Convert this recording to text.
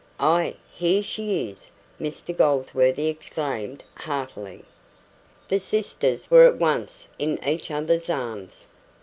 "Ah, HERE she is!" Mr Goldsworthy exclaimed heartily. The sisters were at once in each other's arms.